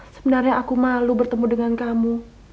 sebenarnya aku malu bertemu dengan kamu